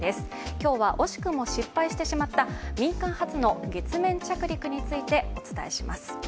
今日は惜しくも失敗してしまった民間初の月面着陸についてお伝えします。